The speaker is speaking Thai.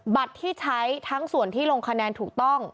บัตรที่ใช้ทั้งส่วนที่ลงคะแนนถูกต้อง